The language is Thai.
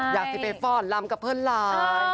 อยากจะไปฟ้อนลำกับเพื่อนหลาน